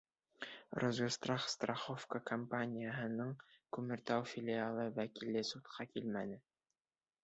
«Росгосстрах» страховка компанияһының Күмертау филиалы вәкиле судҡа килмәне...